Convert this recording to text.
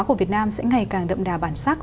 của việt nam sẽ ngày càng đậm đà bản sắc